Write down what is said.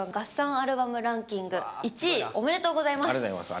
アルバムランキング１位、おめでとうごありがとうございます。